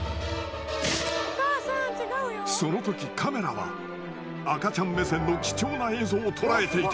その時カメラは赤ちゃん目線の貴重な映像を捉えていた。